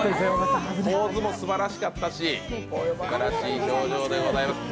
構図もすばらしかったし、すばらしい表情でございます。